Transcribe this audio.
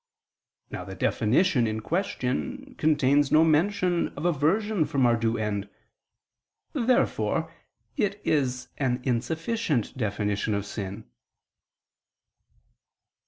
Now the definition in question contains no mention of aversion from our due end: therefore it is an insufficient definition of sin.